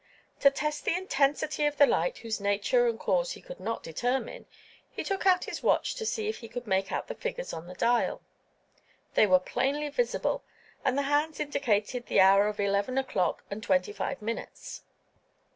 To test the intensity of the light whose nature and cause he could not determine, he took out his watch to see if he could make out the figures on the dial. They were plainly visible, and the hands indicated the hour of eleven o'clock and twenty five minutes.